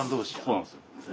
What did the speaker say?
そうなんですよ。